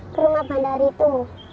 ke rumah bandar itu